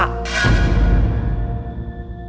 selain kita siapa yang tau